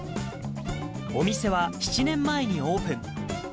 お店は７年前にオープン。